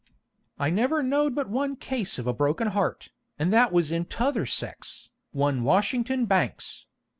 "I never knowed but one case of a broken heart, and that was in t'other sex, one Washington Banks.